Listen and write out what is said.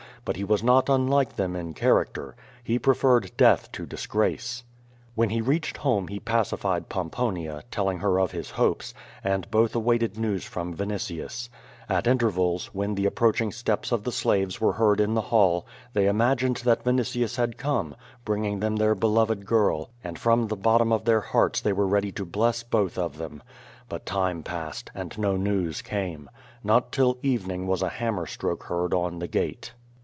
But he was not unlike them in character. He preferred death to disgrace. When he reached home he pacified Pomponia, telling her of his hopes, and both awaited news from Vinitius. At in tervals, when the approaching steps of the slaves were heard W^' in the ball, they imagined that Vinitius had come, bringing them their beloved girl, and from the bottom of their hearts they were ready to bless both of them. But time passed, and no news came. Not till evening was a hammer stroke heard on the gate.